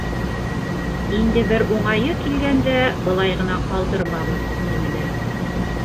— Инде бер уңайы килгәндә былай ғына ҡалдырмабыҙ, — тинеләр.